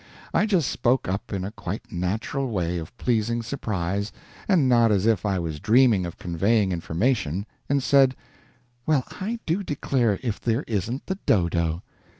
I just spoke up in a quite natural way of pleased surprise, and not as if I was dreaming of conveying information, and said, "Well, I do declare, if there isn't the dodo!"